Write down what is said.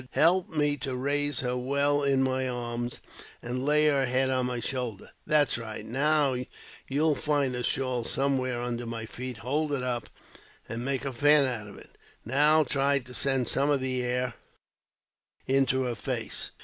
"Help me to raise her well in my arms, and lay her head on my shoulder. That's right. Now, you'll find her shawl somewhere under my feet; hold it up, and make a fan of it. Now, try to send some air into her face."